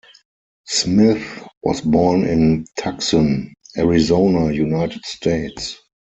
Smith was born in Tucson, Arizona, United States.